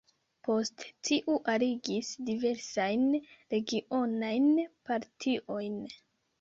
Poste tiu aligis diversajn regionajn partiojn.